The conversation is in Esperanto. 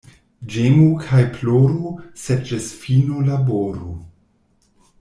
Ĝemu kaj ploru, sed ĝis fino laboru.